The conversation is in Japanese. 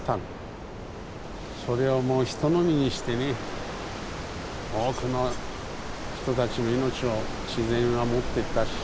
それをもうひとのみにしてね多くの人たちの命を自然はもっていったし。